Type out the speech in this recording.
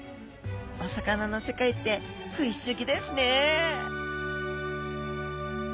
お魚の世界って不思議ですね